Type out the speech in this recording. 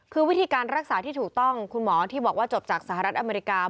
คือวิธีการรักษาที่ถูกต้องคุณหมอที่บอกว่าจบจากสหรัฐอเมริกา